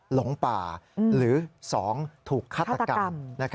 หลงป่าหรือ๒ถูกฆาตกรรม